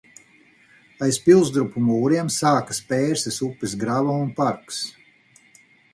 Aiz pilsdrupu mūriem sākas Pērses upes grava un parks.